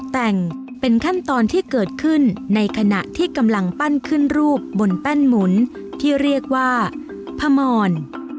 แต่งเป็นขั้นตอนที่เกิดขึ้นในขณะที่กำลังปั้นขึ้นรูปบนแป้นหมุนที่เรียกว่าพมร